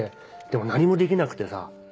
でも何もできなくてさ。